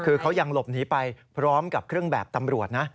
คือเขายังหลบหนีไปพร้อมกับเครื่องแบบตำรวจนะ